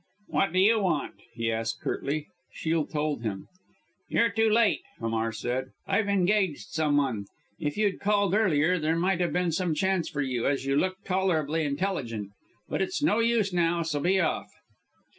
"What do you want?" he asked curtly. Shiel told him. "You're too late," Hamar said. "I've engaged some one. If you'd called earlier, there might have been some chance for you, as you look tolerably intelligent. But it's no use now, so be off."